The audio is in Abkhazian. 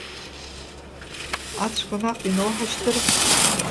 Ацәқәа наҟ иноуҳашьҭыр?